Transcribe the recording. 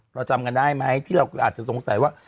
จำกันได้ไหมที่เราอาจจะสงสัยว่า